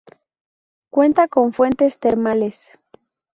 Cuenta con fuentes termales.